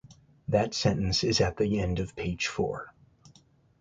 That sentence is at the end of page four.